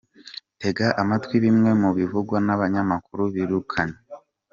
Tega amatwi bimwe mu bivugwa n’abanyamakuru birukanywe .